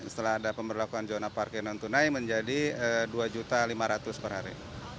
setelah ada pemberlakuan zona parkir non tunai menjadi dua lima ratus per hari